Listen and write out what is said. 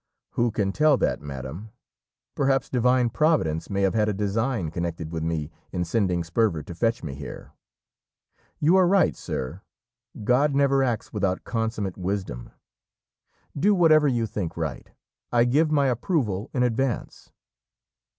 "Who can tell that, madam? Perhaps Divine Providence may have had a design connected with me in sending Sperver to fetch me here." "You are right, sir. God never acts without consummate wisdom. Do whatever you think right. I give my approval in advance."